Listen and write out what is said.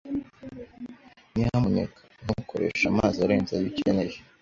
Nyamuneka ntukoreshe amazi arenze ayo ukeneye.